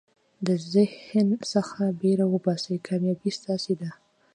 د ذهن څخه بېره وباسئ، کامیابي ستاسي ده.